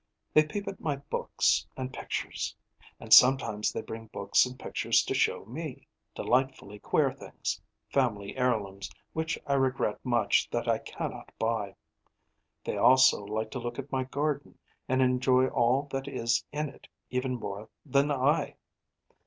They peep at my books and pictures; and sometimes they bring books and pictures to show me delightfully queer things family heirlooms which I regret much that I cannot buy. They also like to look at my garden, and enjoy all that is in it even more than I.